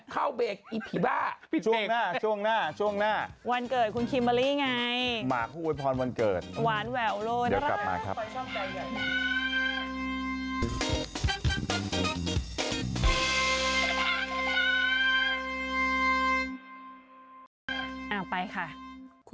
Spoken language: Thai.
เข้าเบิกแอฮจิเข้าเบิก